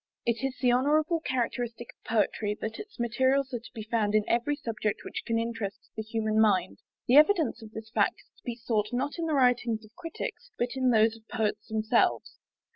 It is the honourable characteristic of Poetry that its materials are to be found in every subject which can interest the human mind. The evidence of this fact is to be sought, not in the writings of Critics, but in those of Poets themselves.